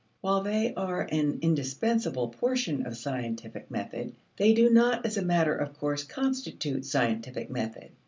While they are an indispensable portion of scientific method, they do not as a matter of course constitute scientific method.